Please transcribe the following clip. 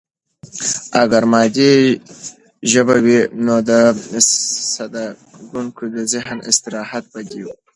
اگر مادي ژبه وي، نو د زده کوونکي د ذهن استراحت به دی.